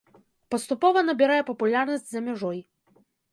Паступова набірае папулярнасць за мяжой.